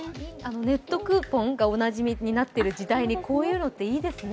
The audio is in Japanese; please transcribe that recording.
ネットクーポンがおなじみになっている時代にこういうのっていいですね。